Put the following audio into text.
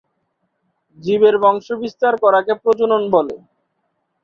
জীবের বংশবিস্তার করাকে প্রজনন বলে।